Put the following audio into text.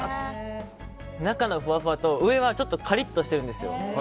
中のふわふわと、上はちょっとカリッとしてるんですよ。